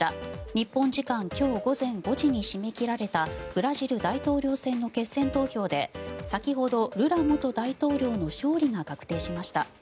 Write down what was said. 日本時間今日午前５時に締め切られたブラジル大統領選の決選投票で先ほどルラ元大統領の勝利が確定しました。